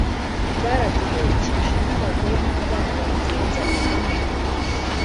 baraduherekeje n’abagore n’abana baturenza iteme.